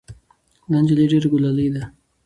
دا نجلۍ ډېره ګلالۍ ده.